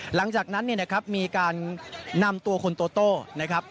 หลังจากนั้นมีการนำตัวคุณโตโตนะครับ